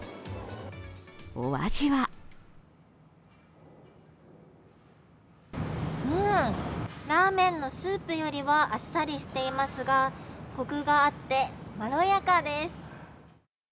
お味はうん、ラーメンのスープよりはあっさりしていますが、コクがあって、まろやかです。